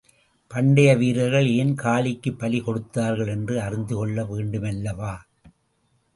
பண்டைய வீரர்கள் ஏன் காளிக்கு பலி கொடுத்தார்கள் என்று அறிந்துகொள்ள வேண்டுமல்லவா?